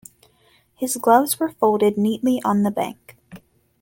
His gloves were folded neatly on the bank.